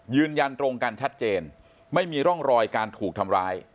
ยืนยันตรงกันชัดเจนไม่มีร่องรอยการถูกทำร้าย